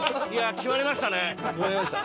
決まりました。